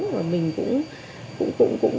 và mình cũng